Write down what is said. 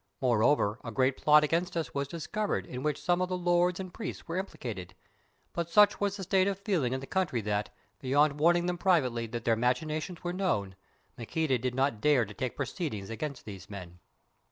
Moreover, a great plot against us was discovered in which some of the lords and priests were implicated, but such was the state of feeling in the country that, beyond warning them privately that their machinations were known, Maqueda did not dare to take proceedings against these men.